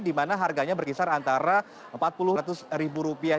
dimana harganya berkisar antara empat ratus ribu rupiah